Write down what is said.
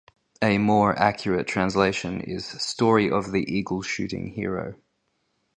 A more accurate translation is "Story of the Eagle Shooting Hero".